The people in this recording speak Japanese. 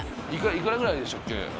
幾らぐらいでしたっけ？